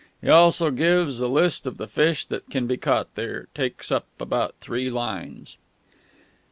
He also gives a list of the fish that can be caught there. It takes up about three lines."